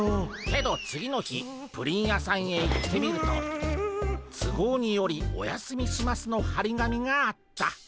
けど次の日プリン屋さんへ行ってみると「つごうによりお休みします」のはり紙があった。